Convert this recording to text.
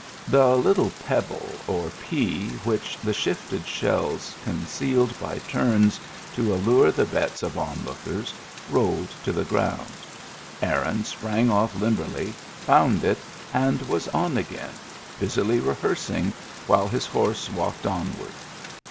The little pebble, or pea, which the shifted shells concealed by turns to allure the bets of onlookers, rolled to the ground. Aaron sprang off limberly, found it, and was on again, busily rehearsing while his horse walked onward.